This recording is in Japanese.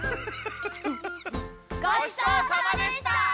ごちそうさまでした！